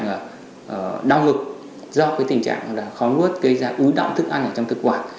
đó là đau ngực do tình trạng khó nuốt gây ra ưu động thực ăn trong thực quản